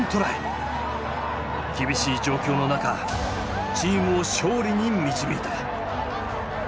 厳しい状況の中チームを勝利に導いた。